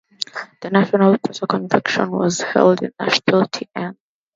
The National Quartet Convention was held in Nashville, Tn.